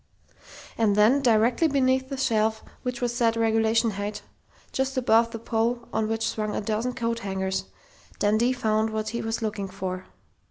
And then, directly beneath the shelf which was set regulation height, just above the pole on which swung a dozen coat hangers, Dundee found what he was looking for.